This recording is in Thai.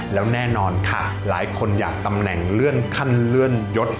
แล้วแน่นอนค่ะหลายคนอยากตำแหน่งเลื่อนขั้นเลื่อนยศ